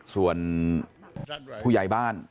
ส่วนผู้ใหญ่บ้าน